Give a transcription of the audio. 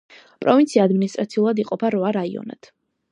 პროვინცია ადმინისტრაციულად იყოფა რვა რაიონად.